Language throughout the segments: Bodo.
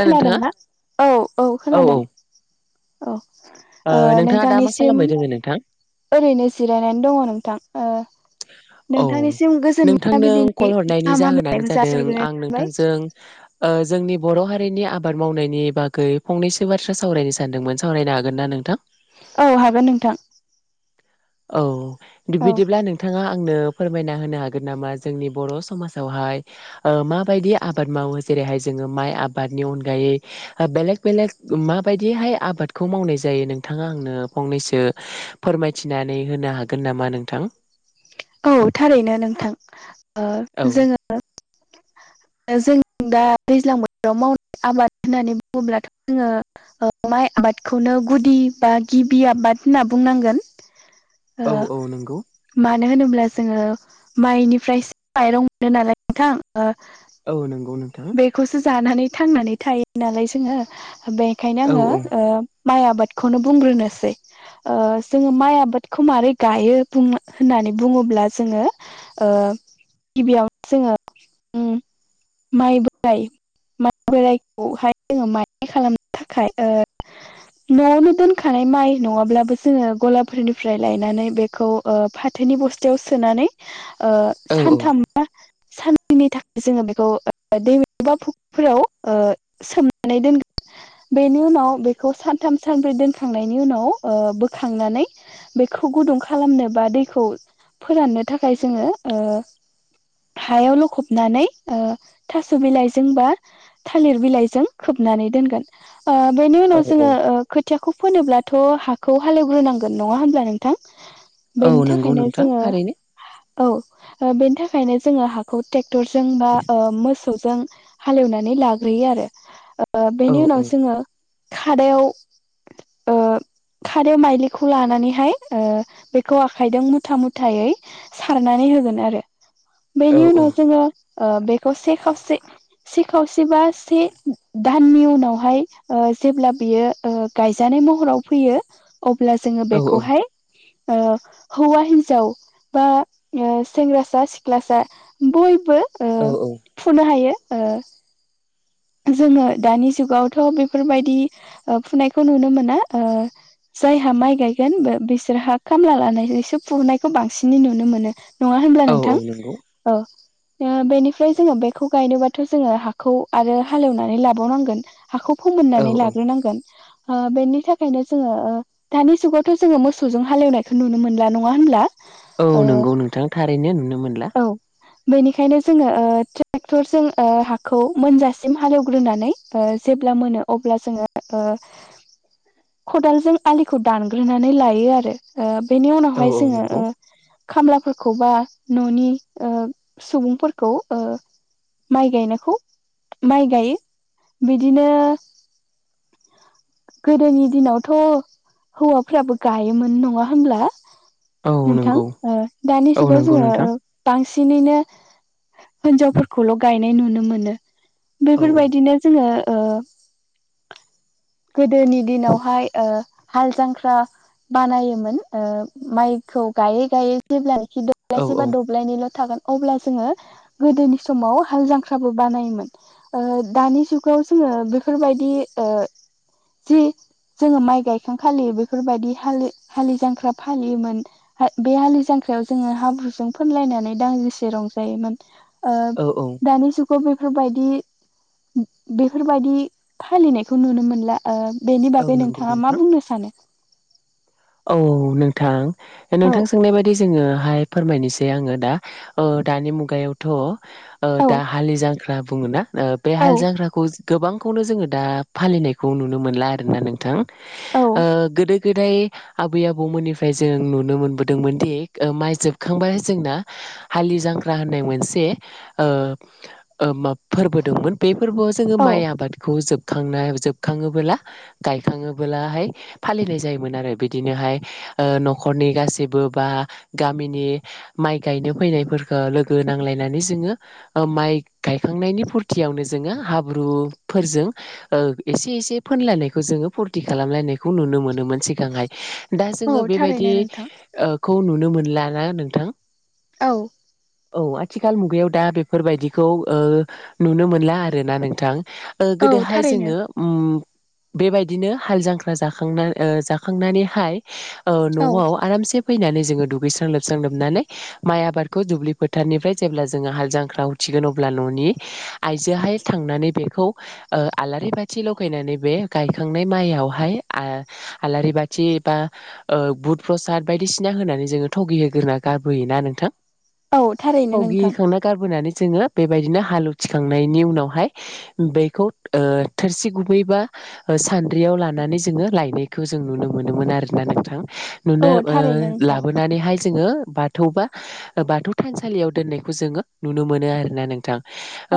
खोनादोंना औ- औ खोनादों औ ओ नोंथाङा दा मा नोंथांनिसिम खालामबाय दोङो नोंथां? ओरैनो जिरायनानै दङ नोंथां ओ [inaudible] औ नोंथांनिसिम गोजोन नोंथां नों मोनाबिलिनि कल हरनायनि गाहाम जाहोनानो हामलायनायखौ जादों जासिहरग्रोनाय आं थाबाय नोंथांजों जोंनि बर' हारिनि आबाद मावनायनि बागै फंनैसो बाथ्रा सावरायनो सानदोंमोन सावरायनो हागोन ना नोंथां? औ हागोन नोंथां औ औ बिदिब्ला नोंथाङा आनो फोरमायना होनो हागोन नामा जोंनि बर' समाजावहाय माबायदि आबाद मावो जेर जेरैहाय जोङो माइ आबादनि अनगायै बेलेग बेलेग माबायदिहाय आबादखौ मावनाय जायो नोंथाङा आंनो फंनैसो फोरमायथिनानै होनो हागोन नामा नोंथां औ थारैनो नोंथां ओ औ जोङो जों दा दैज्लां बोथोराव मावनाय आबाद होननानै बुङोब्लाथ' जोङो माइ आबादखौनो गुदि बा गिबि आबाद होनना बुंनांगोन ओ औ औ नंगौ मानो होनोब्ला जोङो माइनिफ्रायसो माइरं मोनो नालाय नोंथां औ नंगौ नोंथां बेखौसो जानानै थांनानै थायो नालाय जोङो बेखायनो औ औ आंङो माइ आबादखौनो बुंग्रोनोसै जोंङो माइ आबादखौ मारोरै गायो बुं होननानै नानै बुङोब्ला जोंङो गिबियावनो जोंङो माइ बोराय माइ बोरायखौहाय जोंङो माइ खालामनो थाखाय न'आवनो दोनखानाय माइ नङाब्लाबो जोंङो गलाफोरनिफ्राय लायनानै बेखौ फ फाथोनि बस्थायाव सोनानै ओ औ सानथामा साननैनि थाखाय जोंङो बेखौ दैमा बा फुख्रिफोराव ओ सोमनानै दोनगोन बेनि उनाव बेखौ सानथाम सानब्रै दोनखांनायनि उनाव बोखांनानै बेखौ फु गुदुं खालामनो बा दैखौ फोराननो थाखाय जोंङो हायावल' खबनानै थास' बिलाइजों बा थालिर बिलाइजों खोबनानै दोनगोन बेनि औ उनाव औ जोंङो खोथियाखौ फोनोब्लाथ' हाखौ हालेवग्रोनांगोन नंङा होमब्ला नोंथां बेनि औ नंगौ थाखायनो नोंथां जोंङो थारैनो औ बेनि थाखायनो जोंङो हाखौ ट्रेक्टरजों बा मोसौजों हालेवनानै लाग्रोयो आरो औ बेनि उनाव जोंङो खादायाव [inaudible] खारै माइलिखौ लानानैहाय बेखौ आखाइजों मुथा मुथायै सारनानै औ बेनि उनाव जोंङो बेखौ से खावसे से खावसे बा से दाननि उनावहाय जेब्ला बियो गायजानाय महराव फैयो अब्ला जोङो औ बेखौहाय हौवा हिनजाव बा सेंग्रासा सिख्लासा बयबो औ औ नो हायो जोंङो दानि जुगावथ' बेफोरबायदि फुनायखौ नुनो मोना जायहा माइ गायगोन बिसोरहा खामला लानायसो फुरनायखौ बांसिनै नुनो मोनो नङा होनब्ला औ औ नोंथां नंगौ औ बेनिफ्राय जोंङो बेखौ गायनोबाथ' जोंङो हाखौ आरो हालेवनानै लाबावनांगोन हाखौ औ फोमोननानै लाग्रोनांगोन बेनि थाखायनो जोङो दानि जुगावथ' जोङो मोसौजों हालेवनायखौ नुनो मोनला नंङा होनब्ला औ ओ नंगौ नोंथां थारैनो नुनो मोनला औ बेनिखायनो जोंङो ट्रेक्टरजों हाखौ मोनजासिम हालेवग्रोनानै जेब्ला मोनो अब्ला जोंङो खदालजों आलिखौ दानग्रोनानै लायो आरो बेनि औ उनावहाय औ जोंङो नंगौ खामलाफोरखौ बा न'नि ओ सुबुंफोरखौ ओ माइ गायनायखौ माइ गायो बिदिनो गोदोनि दिनावथ' हौवाफ्राबो गायोमोन नङा होनब्ला? औ नोंथां नंगौ ओ दानि औ जुगाव नंगौ जोङो नोंथां ओ बांसिन बांसिनैनो हिनजावफोरखौल' गायनाय नुनो मोनो। औ बेफोरबायदिनो जोङो ओ [inaudible] गोदोनि दिनावहाय हाल जांख्रा बानायोमोन ओ माइखौ गायै गायै जेब्ला औ खिदब्लायसे बा औ दब्लायनल' थागोन अब्ला जोङो गोदोनि समाव हाल जांख्राबो बानायोमोन। ओ दानि जुगाव जोङो बेफोरबायदि ओ जि जोङो माइ गायखां फालियो बेफोरबायदि हा हालि जांख्रा फालियोमोन। बे हालि जांख्रा जांख्रायाव जोङो हाब्रुजों फानलायनानै दांजेसे रंजायोमोन। ओ औ औ दानि जुगाव बेफोरबायदि बिदि बेफोरबायाददि फालिनायखौ नुनो मोनला। ओ बेनि औ बागै नंगौ नोंथाङा नोंथां मा बुंनो सानो? औ नोंथां। औ नोंथां सोंनाय बायदि जोङोहाय फोरमायनोसै आङो दा ओ दानि मुगायावथ' औ दा हालि जांख्रा बुङो ना बे औ हाल जांख्राखौ गोबांखौनो जोङो दा फालिनायखौ नुनो मोनला आरोना नोंथां। औ ओ गोदो गोदाय आबै आबौमोननिफ्राय जों नुनो मोनबोदोंमोन दि माइ जोबखांबा जोंना हालि जांख्रा होननाय मोनसे ओ फोरबो दंमोन। बे फोरबोआव जोङो औ माइ आबादखौ जोब खांनाय जोबखाङोबोला गायखाङोबोलाहाय फालिनाय जायोमोन आरो। बिदिनोहाय ओ न'खरनि गासिबो बा गामिनि माइ गायनो फैनाय फोरखौ लोगो नांलायनानै जोङो माइ गायखांनायनि फुरथियावनो जोङो हाब्रु फोरजों एसे एसे फोनलायनायखौ जोङो फुरथि खालामलायनायखौ नुनो मोनोमोन सिगांहाय। दा औ जोङो थारैनो नोंथां बेबायदिखौ नुनो मोनलाना नोंथां? औ। औ। आथिखाल मुगायाव दा बेफोरबायदिखौ ओ नुनो मोनला आर ना नोंथां। ओ औ गोदोहाय थारैनो जोङो उम बेबायदिनो हाल जांख्रा जाखांना ओ जाखां नानैहाय औ न'आव आरामसे फैनानै जोङो दुगैस्रां लोबस्रां लोबनानै माइ आबादखौ दुब्लि फोथारनिफ्राय जेब्ला, जोङो हाल जांख्रा थागोन अब्ला न'नि आइजोहाय थांनानै बेखौ ओ आलारि बाथि लगायनानै बे गायखांनाय माइयावहाय आ आलारि बाथि बा बुध प्रसाद बायदिसिना होनानै जोङो थगि होग्रोना गारबोयोना नोंथां? औ थारैनो थाव नोंथां गिखांना गारबोनानै जोङो बेबायदिनो हालौवथिखांनायनि उनावहाय बेखौ थोरसि गुबैबा सानद्रियाव लानानै जोङो लायनायखौ जों नुनो मोनोमोन आरोना नोंथां। औ नुनो ओ थारैनो नोंथां लाबोनानैहाय जोङो बाथौ बा बाथौ थानसालियाव दोननायखौ जोङो नुनो मोनो आरोना नोंथां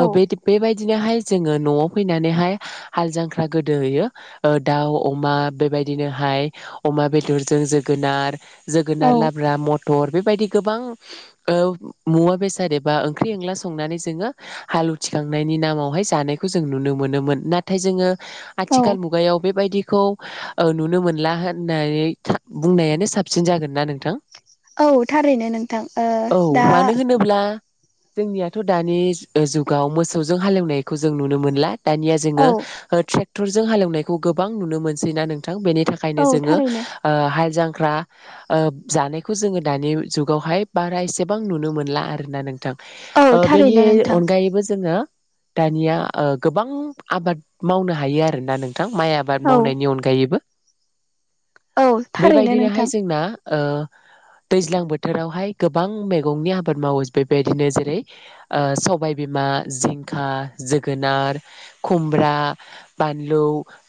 औ बे बेबायदिनोहाय जोङो न'आव फैनानैहाय हाल जांख्रा गोदोहयो दाउ, अमा बेबायदि बिदिनोहाय अमा बेदरजों जोगोनार, औ जोगोनार लाब्रा, मथ मटर बेबायदि गोबां ओ मुवा बेसाद एबा ओंख्रि एंला संनानै जोङो हालि आलुथिखांनायनि नामावहाय जानायखौ जों नुनो मोनोमोन। नाथाय जोङो औ आथिखाल मुगायाव बेबायदिखौ औ नुनो मोनला होननानै बुंनायानो साबसिन जागोन नना नोंथां? औ थारैनो नोंथां ओ नोंथा औ दा मानो होनोब्ला जोंनियाथ' दानि जुगाव मोसौजों हालेवनाय खौ जों नुनो मोनला दानिया जोङो औ ट्रेक्टर जों हालेवनायखौ गोबां नुनो मोनसै ना नों थां बेनि थाखायनो औ जोङो थारैनो ओ हालजां ख्रा जानायखौ जोङो दानि जुगावहाय बारा एसेबां नुनो मोनला आरोना नों थां औ ओ बेनि थारैनो नोंथां अनगायैबो जोङो दानिया ओ गोबां आबाद मावनो हायो आरोना नों थां माइ आबाद औ मावनायनि अनगायैबो। औ थारैनो बेबायदिनोहाय नोंथां जोंना ओ दैज्लां बोथोरावहाय गोबां मैगंनि आबाद मावो बेबायदिनो जेरै ओ सबाय बि मा जिंखा जोगोनार खुमब्रा बानलु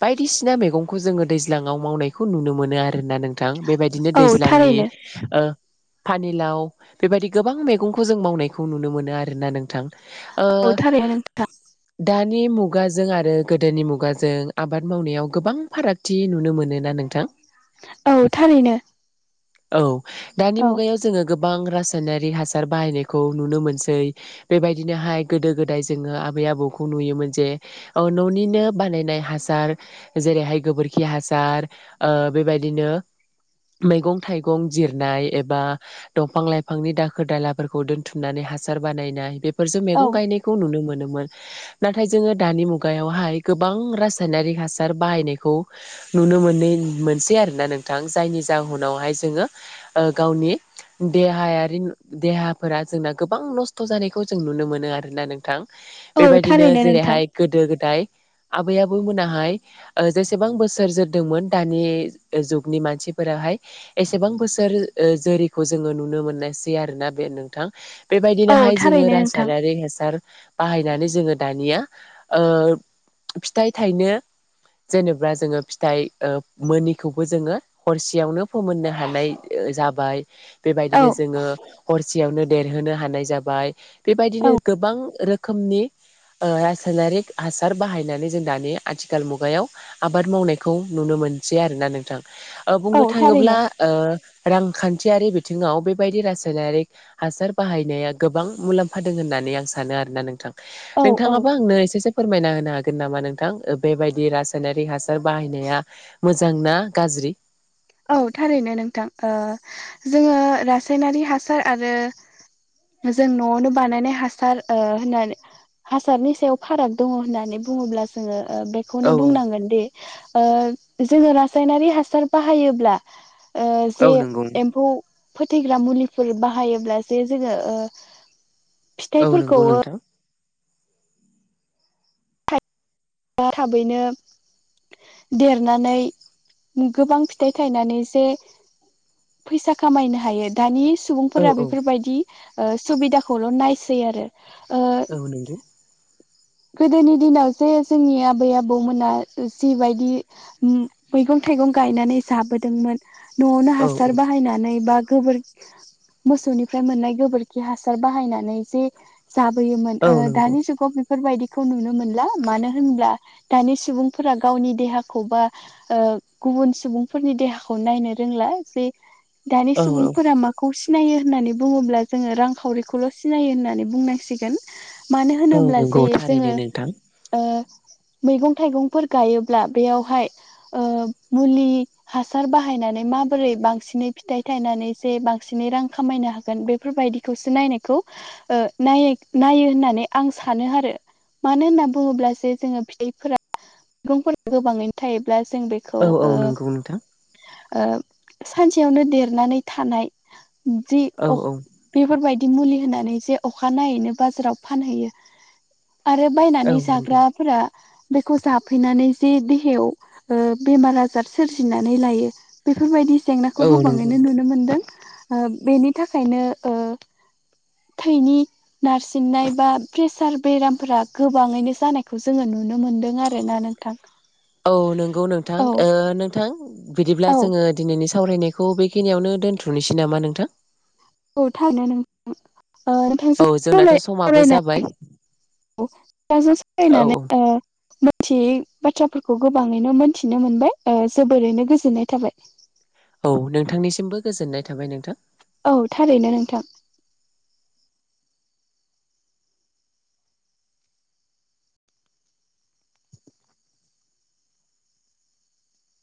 बायदिसि ना मैगंखौ जों दै ज्लांआव मावनायखौ नुनो मोनो आरोना नोंथां बेबायदिनो औ दैज्लांनि थारैनो ओ पानिलाव बेबायदि गोबां मैगंखौ जों मावनायखौ नुनो मोनो आरोना नोंथां। औ थारैनो नोंथां। नि मुगाजों आरो गोदोनि मुगाजों आबाद मावनायाव गोबां फाराग थि नुनो मोनो ना नोंथां। औ थारैनो। औ दानि औ मुगायाव जोङो गोबां रासायनारि हासार बाहायनायखौ नुनो मोनसै बेबायदिनोहाय गोदो गोदाय जोङो आबै आबौखौ नुयोमोन जे औ न'निनो बानायनाय हासार जेरैहाय गोबोर खि हासार बेबायदिनो मैगं थाइगं जिरनाय एबा दंफां लाइफांनि दाखोर दालाफोरखौ दोनथुमनानै हासार बानायनाय बेफोरजों औ मैगं गायनायखौ नुनो मोनो मोन नाथाय जोङो दानि मुगायावहाय गोबां रासायनारि हासार बाहायनायखौ नुनो मोनै मोनसै आरोना नोंथां जायनि जाहोनावहाय जोङो गावनि देहायारि देहाफोरा जोंना गोबां नस्थ' जानायखौ जों नुनो मोनो आरोना नोंथां। औ बेबायदिनो थारैनो नोंथां जेरैहाय गोदो गोदाय आबै आबौ मोनाहाय ओ जेसे बां बोसोर जोरदोंमोन दानि जुगनि मानसिफोराहाय एसेबां बोसोर जो रैखौ जोङो नुनो मोननायसै आरोना बे नोंथां औ बेबायदिनोहाय जोङो थारैनो नोंथां रासायनारि हासार बाहायनानै जोङो दानिया ओ फिथाइ थाइनो जेनेबा जोङो फिथाइ मोनिखौबो जोङो हरसेयावनो फोमोननो हानाय जा बाय। औ बेबायदिनो जोङो हरसेयावनो देरहोनो हानाय जाबाय औ बेबायदिनो गोबां रोख खोमनि रासायनारिक हासार बाहायनानै जों दानि आथिखाल मुगायाव आबाद मावनायखौ नुनो मोनसै आरोना नोंथां औ बुंनो थाङोब्ला थारैनो ओ रांखान्थियारि बिथिङाव बेबायदि रासायनारिक हासार बाहायनाया गोबां मुलाम्फा दों होनना नै आं सानो आरोना नोंथां। औ औ नोंथाङाबो आंनो एसेसो फोरमायना होनो हागोन नामा नोंथां बेबायदि रासा यनारि हासार बाहायनाया मोजांना गाज्रि। औ थारैनो नोंथां ओ जोङो रासायनारि हासार आरो जों न'आवनो बानायनाय हासार ओ होननानै हासारनि सायाव फाराग दङ होननानै बुङोब्ला जोङो औ बेखौनो औ बुंनांगोन दि ओ जोङो रासायनारि हासार बाहा हायोब्ला ओ जे औ नंगौ एम्फौ फोथैग्रा मुलिफोर बाहायोब्लासो जे जोङो ओ औ फिथाइफोरखौ नंगौ नोंथां। [unintelligible] थाबैनो देरनानै गोबां फिथाइ थायनानै जे फैसा खामायनो हायो। दानि औ सुबुंफोरा औ बेफोरबायदि सुबिदाखौल' नायसै आरो ओ औ नोंथां गोदोनि दिनाव जे जोंनि आबै - आबौमोना जिबायदि मै-मैगं थाय थाइगं गायनानै जाबोदोंमोन न'आवनो औ हासार औ बाहायनानै बा गोबोर मोसौनिफ्राय मोननाय गोबोरखि हासार बाहायनानै जे जाबोयोमोन औ ओ नंगौ दानि जुगाव बेफोरबायदिखौ नुनो मोनला मानो होनब्ला दानि सुबुंफोरा गावनि देहाखौ बा ओ गुबुन सुबुंफोरनि देहाखौ नायनो रोंला जे दानि औ सुबुंफोरा मा खौसे सिनायो होननानै बुङोब्ला जोंङो रांखावरिखौल' सिनायो होननानै बुंनांसिगोन मानो औ होनोब्ला नंगौ थारैनो नोंथां औ मैगं - थाइगंफोर गायोब्ला बेयावहाय ओ मुलि हासार बाहायनानै माबोरै बांसिनै फिथाइ थायनानै जे बांसिनै रां खामायनो हागोन बेफोरबायदिखौ नायनायखौ ओ नायो नायो होननानै आं सानो मानो होनना बुङोब्ला जे जोंङो फिथाइफोरा मैगंफोरा गोबाङैनो थायोब्ला जों बेखौ औ औ ओ नंगौ नोंथां ओ सानसेयावनो देरनानै थानाय जि औ अ औ बेफोरबायदि बि मुलि होनानै जे अखा नायैनो बाजाराव फानहैयो आरो औ बायनानै नंगौ जाग्राफोरा बेखौ जाफैनानै जे देहायाव ओ बेमार - आजार सोरजिनानै लायो बे बेफोरबायदि जेंनाखौ औ नंगौ गोबांङैनो नोंथां नुनो मोनदों बेनि थाखायनो ओ थैनि नारसिननाय बा प्रेसार बेरामफोरा गोबाङैनो जानायखौ जोंङो नुनो मोनदों आरोना नोंथां औ नंगौ नोंथां औ ओ नोंथां बिदिब्ला औ जोङो दिनैनि सा सावरायनायखौ बेखिनियावनो दोनथ'नोसै नामा नोंथां औ थारैनो नोंथां नोंथांजों [unintelligible] औ जोंनाथ' समाबो जाबाय नोंथांजों औ सावरायनानै ओ औ मिथियै बाथ्राफोरखौ गोबाङैनो मोनथिनो मोनबाय ओ जोबोरैनो गोजोननाय थाबाय औ नोंथांनिसिमबो गोजोननाय थाबाय नोंथां औ थारैनो नोंथां